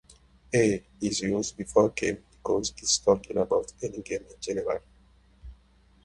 "A" is used before "game" because it is talking about any game in general.